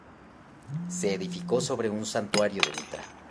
Se edificó sobre un santuario de Mitra.